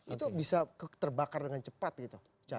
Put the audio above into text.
itu bisa terbakar dengan cepat gitu